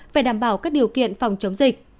phải đảm bảo các điều kiện phòng chống dịch